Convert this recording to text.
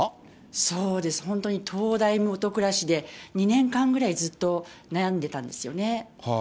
そうです、本当に灯台下暗しで、２年間くらいずっと悩んでたんですよね。